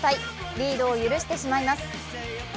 リードを許してしまいます。